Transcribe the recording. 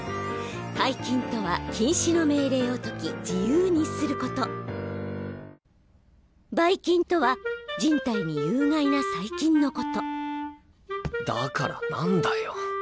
解禁とは禁止の命令を解き自由にすることバイ菌とは人体に有害な細菌のことだから何だよ。